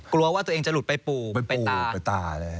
กลัวว่าตัวเองจะหลุดไปปู่ไปตา